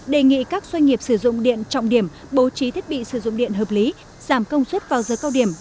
đề nghị các doanh nghiệp sử dụng điện trọng điểm bố trí thiết bị sử dụng điện hợp lý giảm công suất vào giờ cao điểm